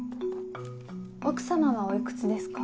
奥様はおいくつですか？